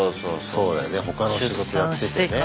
そうだよね他の仕事やってて。